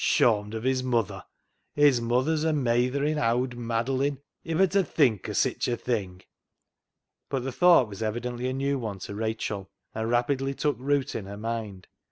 Shawmed of his muther ! His muther's a meytherin' owd maddlin', iver ta think o' sitch a thing." But the thought was evidently a new one to Rachel, and rapidly took root in her mind.